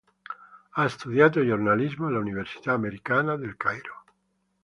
Ha studiato giornalismo all'Univeristà Americana del Cairo.